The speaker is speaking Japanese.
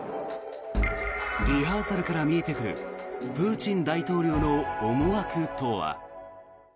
リハーサルから見えてくるプーチン大統領の思惑とは。